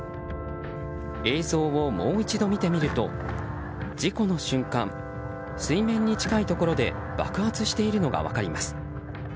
映像をもう一度見てみると事故の瞬間水面に近いところで爆発しているのが分かります。